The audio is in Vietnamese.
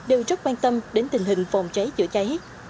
đều rất quan tâm đến tình hình phòng cháy chữa cháy